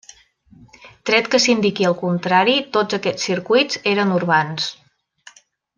Tret que s'indiqui el contrari, tots aquests circuits eren urbans.